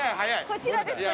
こちらです